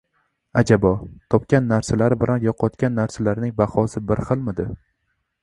Ajabo, topgan narsalari bilan yo‘qotgan narsalarining bahosi bir xilmidi?